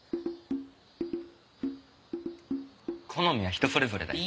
好みは人それぞれだよ。